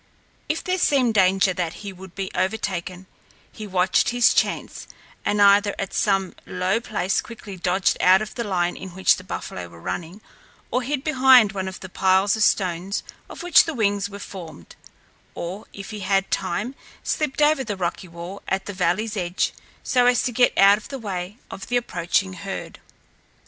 If there seemed danger that he would be overtaken, he watched his chance and either at some low place quickly dodged out of the line in which the buffalo were running, or hid behind one of the piles of stones of which the wings were formed, or, if he had time, slipped over the rocky wall at the valley's edge, so as to get out of the way of the approaching herd.